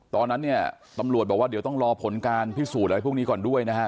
ตอนนั้นเนี่ยตำรวจบอกว่าเดี๋ยวต้องรอผลการพิสูจน์อะไรพวกนี้ก่อนด้วยนะฮะ